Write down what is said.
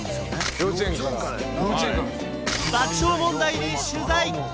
幼稚園からやんな爆笑問題に取材！